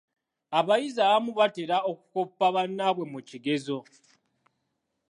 Abayizi abamu batera okukoppa bannaabwe mu kigezo.